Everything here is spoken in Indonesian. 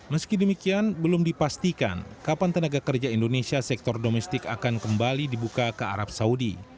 meski demikian belum dipastikan kapan tenaga kerja indonesia sektor domestik akan kembali dibuka ke arab saudi